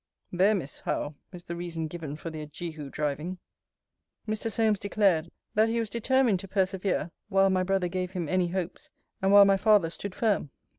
There, Miss Howe, is the reason given for their jehu driving. Mr. Solmes declared, that he was determined to persevere while my brother gave him any hopes, and while my father stood firm.